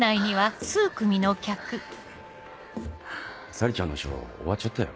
Ｓａｌｉちゃんのショー終わっちゃったよ。